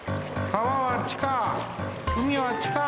かわはあっちか。